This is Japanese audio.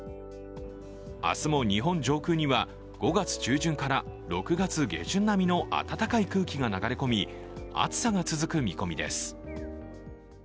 明日も日本上空には５月中旬から６月下旬並みの暖かい空気が流れ込み暑さが続く見込みです。